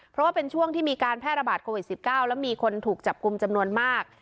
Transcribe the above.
เพราะว่าเป็นช่วงที่มีการแพร่ระบาดโควิด๑๙แล้วมีคนถูกจับกลุ่มจำนวนมาก